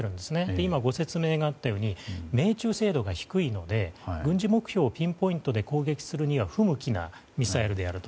今ご説明があったように命中精度が低いので軍事目標をピンポイントで攻撃するには不向きなミサイルであると。